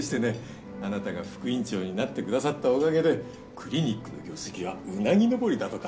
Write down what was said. あなたが副院長になってくださったおかげでクリニックの業績はうなぎ上りだとか。